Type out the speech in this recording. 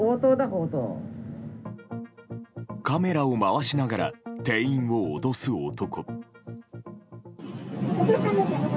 カメラを回しながら店員を脅す男。